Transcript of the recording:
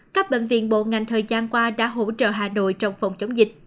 các bệnh viện bộ ngành thời gian qua đã hỗ trợ hà nội trong phòng chống dịch